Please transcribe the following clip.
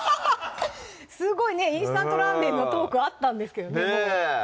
すごいねインスタントラーメンのトークあったんですけどね